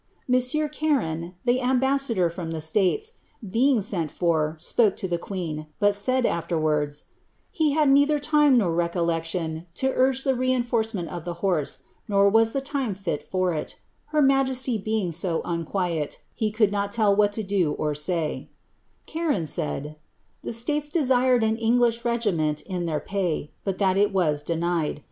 Monsieur Charron, the ambassador from the sent for, spoke to the queen, but said, afterwanis, ^ he had nor recollection to urge the reinforcement of the horse, time fit for it ; her majesty being so unquiet, he could not do or say.' Charron said, ^ the states desired an English their pay,' but that it was denied.